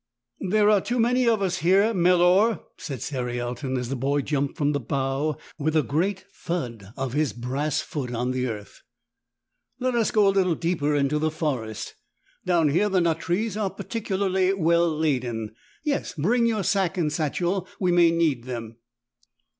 "There are too many of us here, Melor," said Cerialton as the boy jumped from the bough with a great thud of his 12 brass foot on the earth. ^'Let us go a little deeper into the forest. Down here the nut trees are particularly well laden. Yes, bring your sack and satchel, we may need them."